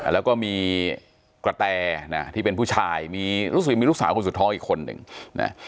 แล้วก็มีกระแตนะที่เป็นผู้ชายมีรู้สึกมีลูกสาวคนสุดท้องอีกคนหนึ่งนะ